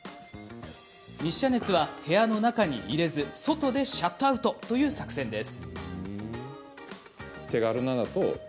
日射熱は部屋の中に入れず外でシャットアウトという作戦です。